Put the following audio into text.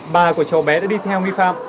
ba của cháu bé đã đi theo nghi phạm